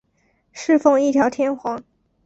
侍奉一条天皇。